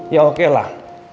ya oke lah